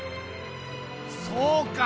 そうか！